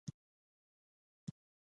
څوک چې له تمایلاتو سره بلد نه وي.